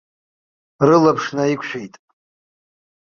Рылаԥш наиқәшәеит.